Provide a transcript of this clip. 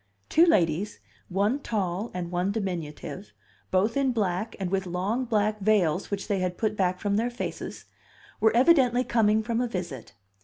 Two ladies, one tall and one diminutive, both in black and with long black veils which they had put back from their faces, were evidently coming from a visit.